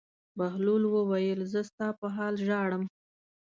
بهلول وویل: زه ستا په حال ژاړم.